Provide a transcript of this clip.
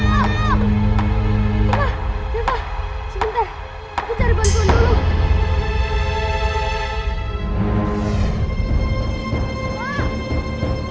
aku cari bantuan dulu